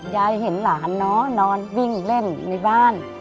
ยายเห็นหลานนอนวิ่งเล่นอยู่ในบ้าน